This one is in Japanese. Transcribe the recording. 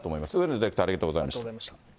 ディレクター、ありがとうございました。